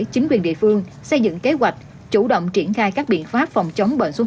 chính quyền địa phương xây dựng kế hoạch chủ động triển khai các biện pháp phòng chống bệnh xuất